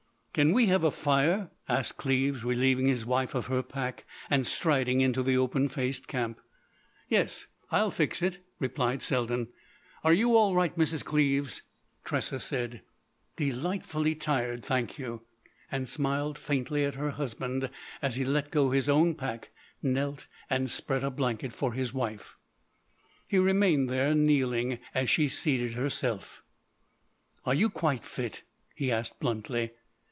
"Can we have a fire?" asked Cleves, relieving his wife of her pack and striding into the open faced camp. "Yes, I'll fix it," replied Selden. "Are you all right, Mrs. Cleves?" Tressa said: "Delightfully tired, thank you." And smiled faintly at her husband as he let go his own pack, knelt, and spread a blanket for his wife. He remained there, kneeling, as she seated herself. "Are you quite fit?" he asked bluntly.